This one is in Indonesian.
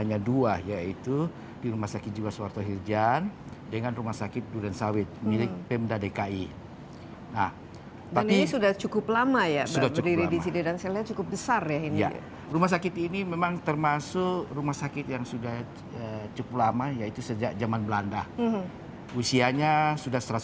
kedua wilayah itu sama sama memiliki skor prevalensi dua tujuh kasus dalam sejarah